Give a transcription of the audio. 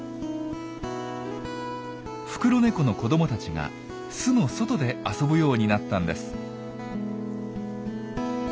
フクロネコの子どもたちが巣の外で遊ぶようになったんです。